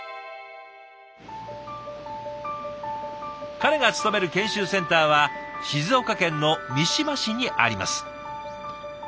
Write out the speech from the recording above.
彼が勤める研修センターは静岡県の三島市にあります。